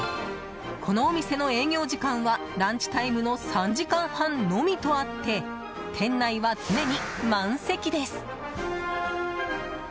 このお店の営業時間はランチタイムの３時間半のみとあって店内は常に満席です。